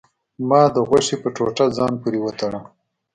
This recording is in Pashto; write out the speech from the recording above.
ما د غوښې په ټوټه ځان پورې وتړه.